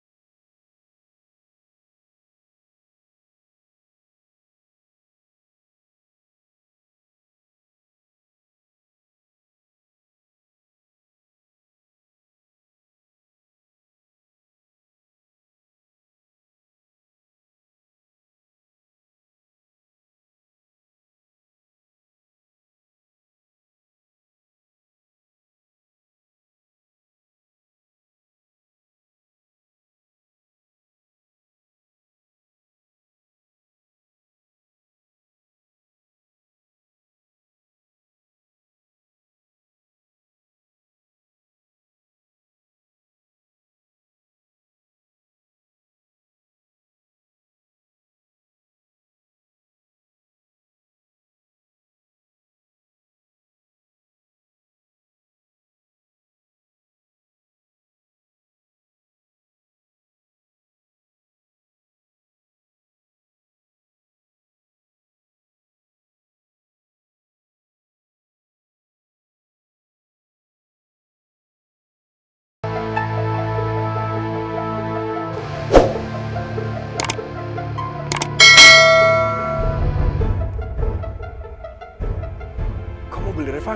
aku mau mencoba